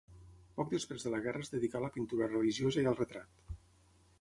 Poc després de la guerra es dedicà a la pintura religiosa i al retrat.